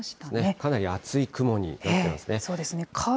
かなり厚い雲になってますね。